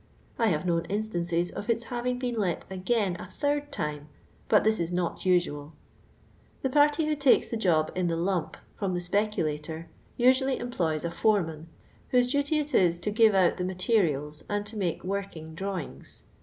I have known instances of its having been let again a third time, but tliis is not usual. The party who take3 the job in the lump from the speculator usually employs a foreman, whose duty it is to give out the maleriaU and to make working drawings.